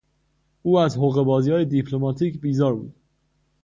او از حقهبازیهای دیپلماتیک بیزار بود.